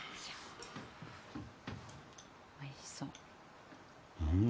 おいしそう。